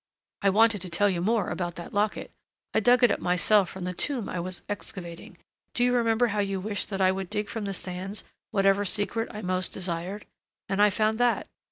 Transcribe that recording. "I wanted to tell you more about that locket. I dug it up myself from the tomb I was excavating do you remember how you wished that I would dig from the sands whatever secret I most desired? And I found that....